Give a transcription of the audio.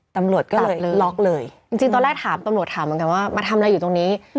ตำรวจก็เลยล็อกเลยจริงตอนแรกถามตำรวจถามเหมือนกันว่ามาทำอะไรอยู่ตรงนี้